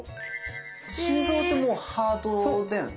心臓ってもうハートだよね？